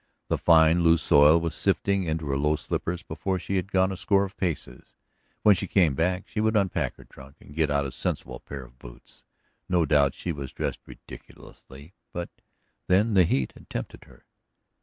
The fine, loose soil was sifting into her low slippers before she had gone a score of paces. When she came back she would unpack her trunk and get out a sensible pair of boots. No doubt she was dressed ridiculously, but then the heat had tempted her.